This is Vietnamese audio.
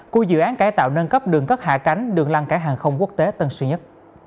của dự án cải tạo nâng cấp đường cất hạ cánh đường lăng cả hàng không quốc tế tân sư nhất